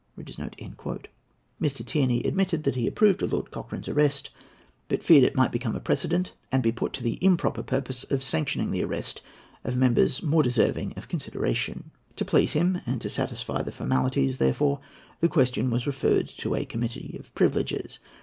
Mr. Tierney admitted that he approved of Lord Cochrane's arrest, but feared it might become a precedent and be put to the "improper purpose" of sanctioning the arrest of members more deserving of consideration. To please him, and to satisfy the formalities, therefore, the question was referred to a committee of privileges.